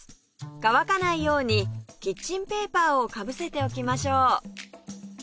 乾かないようにキッチンペーパーをかぶせておきましょう